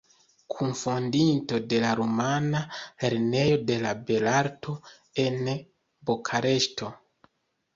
Kunfondinto de la rumana Lernejo de belarto en Bukareŝto.